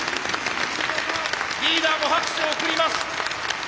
リーダーも拍手を送ります。